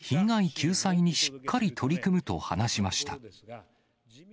また、被害救済にしっかり取り組むと話しました。